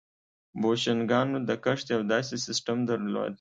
بوشنګانو د کښت یو داسې سیستم درلود